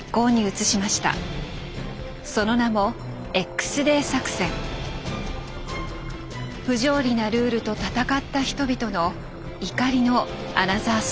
その名も不条理なルールと闘った人々の怒りのアナザーストーリー。